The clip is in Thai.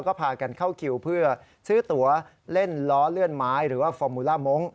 ก็พากันเข้าคิวเพื่อซื้อตัวเล่นล้อเลื่อนไม้หรือว่าฟอร์มูล่ามงค